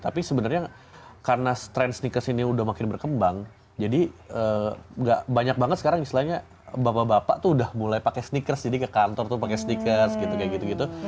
tapi sebenarnya karena strend sneakers ini udah makin berkembang jadi gak banyak banget sekarang istilahnya bapak bapak tuh udah mulai pakai sneakers jadi ke kantor tuh pakai sneakers gitu kayak gitu gitu